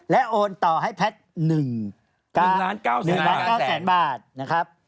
และโอนต่อให้แพลต๑๙แสนบาทนะครับ